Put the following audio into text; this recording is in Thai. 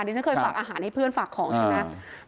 นี่ฉันเคยฝากอาหารให้เพื่อนฝากของฉันนะ